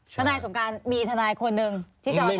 ทนายสงการมีทนายคนหนึ่งที่จะมา